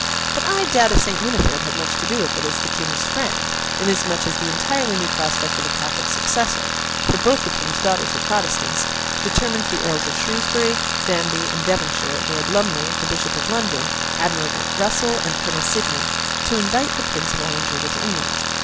But I doubt if Saint Winifred had much to do with it as the King's friend, inasmuch as the entirely new prospect of a Catholic successor (for both the King's daughters were Protestants) determined the Earls of Shrewsbury, Danby, and Devonshire, Lord Lumley, the Bishop of London, Admiral Russell, and Colonel Sidney, to invite the Prince of Orange over to England.